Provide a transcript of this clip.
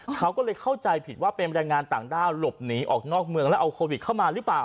เขาก็เลยเข้าใจผิดว่าเป็นแรงงานต่างด้าวหลบหนีออกนอกเมืองแล้วเอาโควิดเข้ามาหรือเปล่า